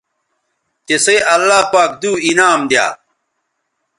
تسئ اللہ پاک دو انعام دی یا